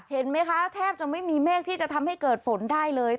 เห็นไหมคะแทบจะไม่มีเมฆที่จะทำให้เกิดฝนได้เลย